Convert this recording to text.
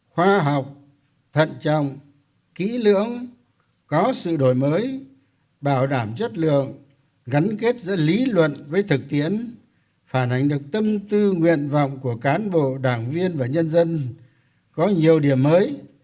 hoan nghênh các ý kiến đều thể hiện sự tâm huyết thẳng thắn tinh thần trách nhiệm cao đối với đảng với nhân dân và đất nước